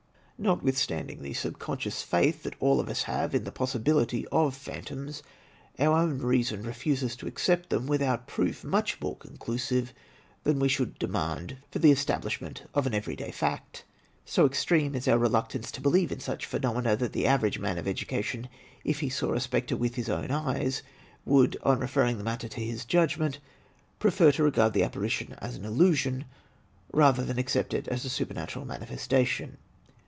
Notwithstanding the subconscious faith that all of us have in the possibility of phantoms, our reason refuses to accept them without proof much more conclusive than we should demand for the establishment of an every day fact. So extreme is our reluctance to believe in such phenomena that the average man of education, if he saw a spectre with his own eyes, would, on referring the matter to his judgment, prefer to regard the apparition as an illusion, rather than accept it as a supernatural manifestation.